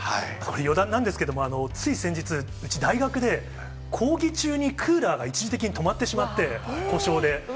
余談なんですけれども、つい先日、うち、大学で講義中にクーラーが一時的に止まってしまって、故障で。